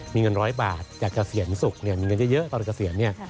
มีเงิน๑๐๐บาทอยากเกษียณสุขมีเงินเยอะตอนเกษียณ